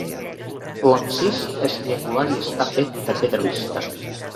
L'absis és triangular i està fet de pedra vista.